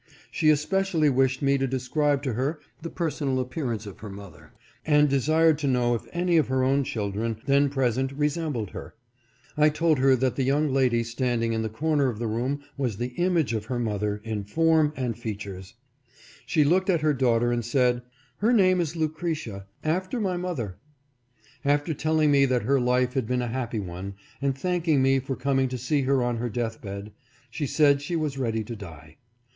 She especially wished me to describe to her the personal appearance of her mother, and desired to know if any of her own children then present resembled her. I told her that the young lady standing in the cor ner of the room was the image of her mother in form and A TOUCHING INTERVIEW. 481 features. She looked at her daughter and said, " Her name is Lucretia — after my mother." After telling me that her life had been a happy one, and thanking me for coming to see her on her death bed, she said she was ready to die.